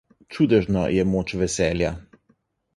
Čudežna je moč veselja.